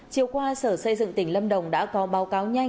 chiều qua sở xây dựng tỉnh lâm đồng đã có báo cáo nhanh